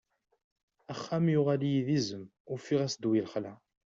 Axxam yuɣal-iyi d izem, ufiɣ-as ddwa i lexla.